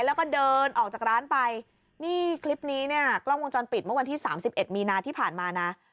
แล้วก็เดินออกจากร้านไปนี่คลิปนี้เนี่ยกล้องวงจรปิดเมื่อวันที่สามสิบเอ็ดมีนาที่ผ่านมานะ